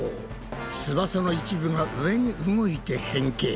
翼の一部が上に動いて変形。